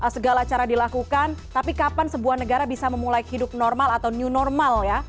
segala cara dilakukan tapi kapan sebuah negara bisa memulai hidup normal atau new normal ya